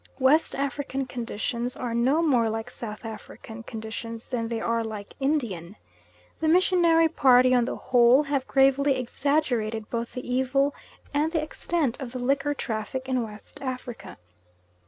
West African conditions are no more like South African conditions than they are like Indian. The missionary party on the whole have gravely exaggerated both the evil and the extent of the liquor traffic in West Africa.